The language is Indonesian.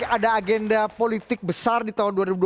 ada agenda politik besar di tahun dua ribu dua puluh